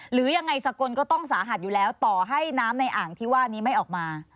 หรือยังไงสกลก็ต้องสาหัสอยู่แล้วต่อให้น้ำในอ่างที่ว่านี้ไม่ออกมา